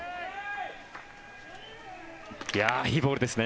いや、いいボールですね。